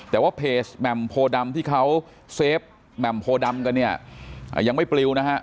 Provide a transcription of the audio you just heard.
แต่ว่าเพจแหม่มโพดำที่เขาเซฟแหม่มโพดำกันเนี่ยยังไม่ปลิวนะฮะ